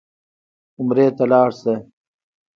عمرې ته لاړ شه.